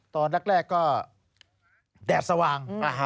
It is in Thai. ตอนแรกก็แดดสว่าง